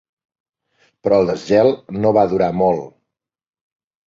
Però el desgel no va durar molt.